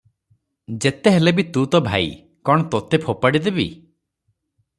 ଯେତେ ହେଲେ ତୁ ତ ଭାଇ, କ'ଣ ତୋତେ ଫୋପାଡ଼ି ଦେବି?